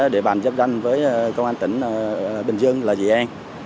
địa bàn giáp ranh với công an tỉnh bình dương là dị an